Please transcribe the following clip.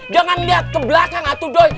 jangan lihat ke belakang atuh doi